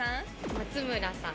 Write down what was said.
松村さん。